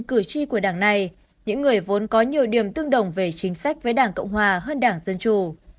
cử tri của đảng này những người vốn có nhiều điểm tương đồng về chính sách với đảng cộng hòa hơn đảng dân chủ